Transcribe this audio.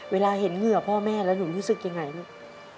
เวลาเห็นเหงื่อพ่อแม่แล้วหนูรู้สึกยังไงลูก